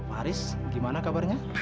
haris gimana kabarnya